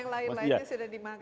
yang lain lainnya sudah dimakan